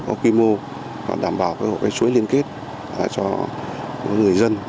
có quy mô đảm bảo cái chuỗi liên kết cho người dân